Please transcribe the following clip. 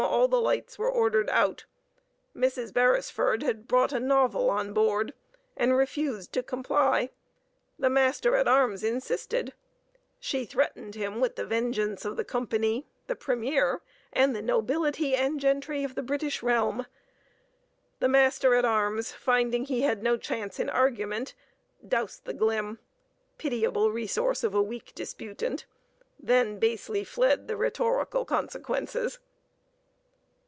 all the lights were ordered out. Mrs. Beresford had brought a novel on board, and refused to comply; the master at arms insisted; she threatened him with the vengeance of the Company, the premier, and the nobility and gentry of the British realm. The master at arms, finding he had no chance in argument, doused the glim—pitiable resource of a weak disputant—then basely fled the rhetorical consequences.